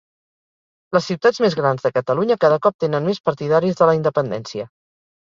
Les ciutats més grans de Catalunya cada cop tenen més partidaris de la independència